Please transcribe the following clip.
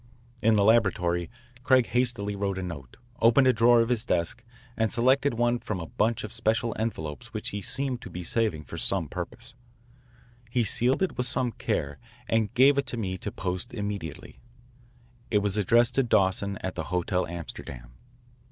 In the laboratory Craig hastily wrote a note, opened a drawer of his desk, and selected one from a bunch of special envelopes which he seemed to be saving for some purpose. He sealed it with some care, and gave it to me to post immediately. It was addressed to Dawson at the Hotel Amsterdam.